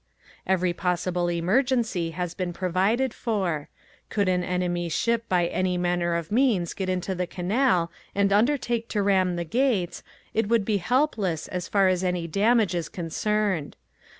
Every possible emergency has been provided for. Could an enemy ship by any manner of means get into the canal and undertake to ram the gates it would be helpless as far as any damage is concerned.